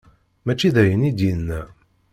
Mačči d ayen i d-yenna.